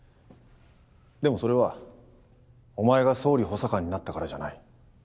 でもそれはお前が総理補佐官になったからじゃない。